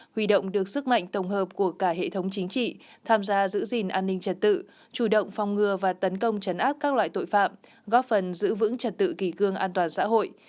huy động được sức mạnh tổng hợp của cả hệ thống chính trị tham gia giữ gìn an ninh trật tự chủ động phòng ngừa và tấn công chấn áp các loại tội phạm góp phần giữ vững trật tự kỳ cương an toàn xã hội